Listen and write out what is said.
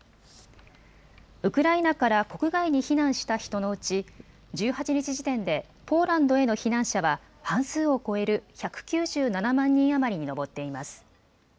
ウクライナから国外に避難した人のうち１８日時点でポーランドへの避難者は半数を超える１９７万人余りに上っています。